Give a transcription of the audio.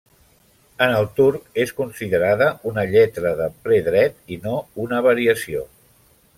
En el turc és considerada una lletra de ple dret i no una variació.